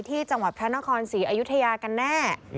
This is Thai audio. ที่จังหวัดพระนครศรีอยุธยากันแน่